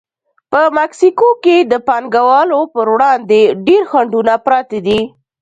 په مکسیکو کې د پانګوالو پر وړاندې ډېر خنډونه پراته دي.